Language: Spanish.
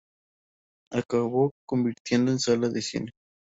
Acabó convertido en sala de cine.